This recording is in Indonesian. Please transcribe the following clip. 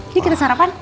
ini kita sarapan